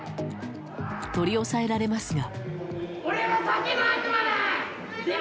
取り押さえられますが。